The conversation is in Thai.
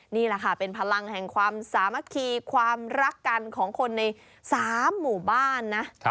นี่แหละค่ะเป็นพลังแห่งความสามัคคีความรักกันของคนใน๓หมู่บ้านนะ